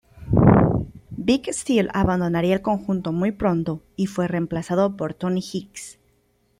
Vick Steel abandonaría el conjunto muy pronto, y fue reemplazado por Tony Hicks.